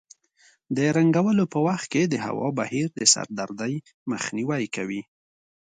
د رنګولو په وخت کې د هوا بهیر د سردردۍ مخنیوی کوي.